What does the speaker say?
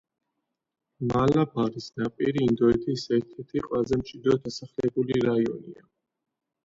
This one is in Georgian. მალაბარის ნაპირი ინდოეთის ერთ-ერთი ყველაზე მჭიდროდ დასახლებული რაიონია.